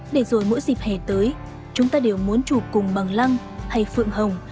để rồi mỗi dịp hè tới chúng ta đều muốn chụp cùng bằng lăng hay phượng hồng